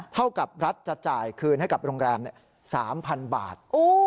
เท่ากับรัฐจะจ่ายคืนให้กับโรงแรม๓๐๐๐บาท